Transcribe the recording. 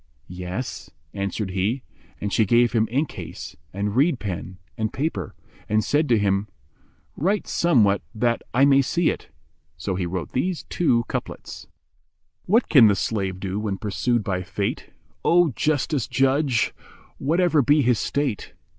"Yes,'' answered he, and she gave him ink case and reed pen and paper and said to him, "Write somewhat that I may see it." So he wrote these two couplets, "What can the slave do when pursued by Fate, * O justest Judge! whatever be his state?